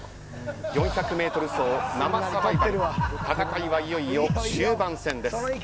４００メートル走生サバイバル戦いは、いよいよ終盤戦です。